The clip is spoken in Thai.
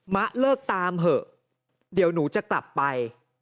มะเลิกตามเถอะเดี๋ยวหนูจะกลับไป